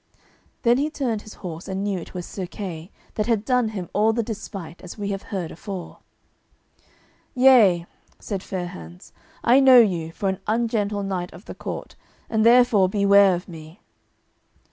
Then he turned his horse, and knew it was Sir Kay, that had done him all the despite, as we have heard afore. "Yea," said Fair hands, "I know you for an ungentle knight of the court and therefore beware of me."